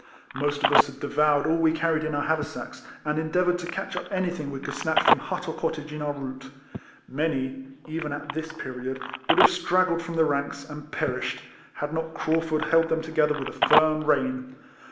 Most of us had devoured all we carried in our haver sacks, and endeavoured to catch up anything we could snatch from hut or cottage in our route. Many, even at this period, would have straggled from the ranks, and perished, had not Craufurd held them to gether with a firm rein.